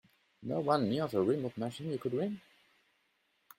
No one near the remote machine you could ring?